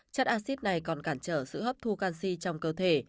chất acid này còn cản trở sự hấp thu canxi trong cơ thể